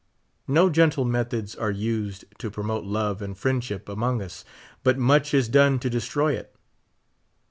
No gentle methods are used to promote love and friendship among us, but much is done to destro}^ it.